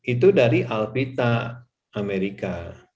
itu dari alvita amerika